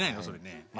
それねえ。